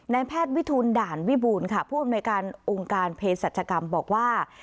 แพทย์วิทูลด่านวิบูรณ์ค่ะผู้อำนวยการองค์การเพศรัชกรรมบอกว่า